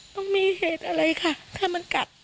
ต้องมีเหตุอะไรค่ะถ้ามันกัด